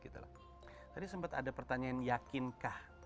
tadi sempat ada pertanyaan yakinkah